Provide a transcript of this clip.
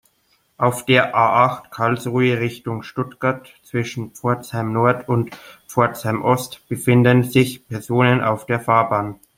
Auf der A-acht, Karlsruhe Richtung Stuttgart, zwischen Pforzheim-Nord und Pforzheim-Ost befinden sich Personen auf der Fahrbahn.